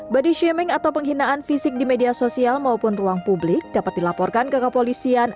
body shaming atau penghinaan fisik di media sosial maupun ruang publik dapat dilaporkan ke kepolisian